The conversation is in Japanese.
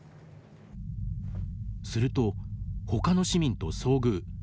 すると、他の市民と遭遇。